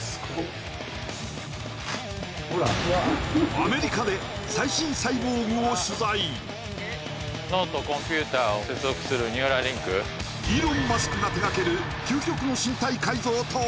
アメリカで最新サイボーグを取材するニューラリンクイーロン・マスクが手がける究極の身体改造とは？